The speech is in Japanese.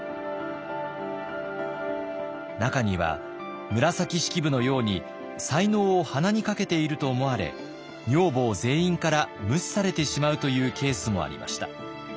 中には紫式部のように才能を鼻にかけていると思われ女房全員から無視されてしまうというケースもありました。